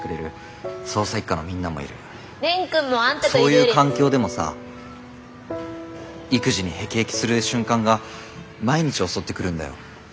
そういう環境でもさ育児に辟易する瞬間が毎日襲ってくるんだよ。